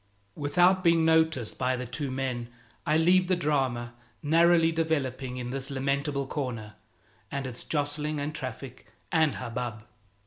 Without being noticed by the two men I leave the drama narrowly developing in this lamentable corner and its jostling and traffic and hubbub.